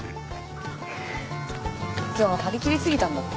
今日張り切り過ぎたんだって？